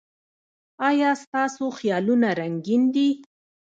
ایا ستاسو خیالونه رنګین دي؟